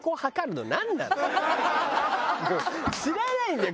知らないんだよ